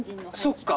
そっか。